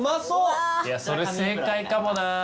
それ正解かもな。